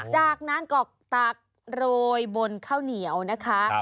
จากนั้นก็ตักโรยบนข้าวเหนียวนะคะ